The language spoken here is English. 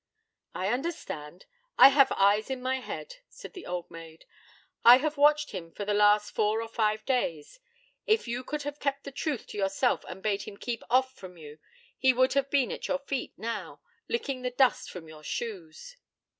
'I understand. I have eyes in my head,' said the old maid. 'I have watched him for the last four or five days. If you could have kept the truth to yourself and bade him keep off from you, he would have been at your feet now, licking the dust from your shoes.'